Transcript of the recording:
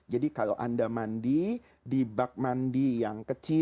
jadi kalau anda mandi di bak mandi yang kecil